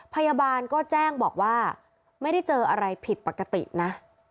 พยาบาลก็แจ้งบอกว่าไม่ได้เจออะไรผิดปกตินะ